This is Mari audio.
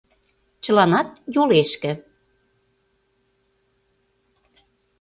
Чыланат йолешке.